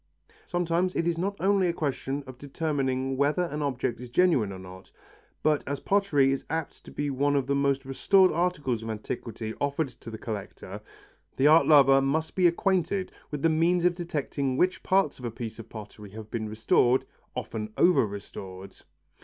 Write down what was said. Sometimes it is not only a question of determining whether an object is genuine or not, but as pottery is apt to be one of the most restored articles of antiquity offered to the collector, the art lover must be acquainted with the means of detecting which parts of a piece of pottery have been restored, often over restored.